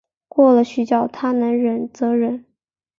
过了许久她能忍则忍